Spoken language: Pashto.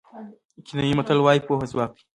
کینیايي متل وایي پوهه ځواک دی.